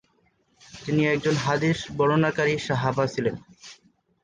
তিনি একজন হাদিস বর্ণনাকারী সাহাবা ছিলেন।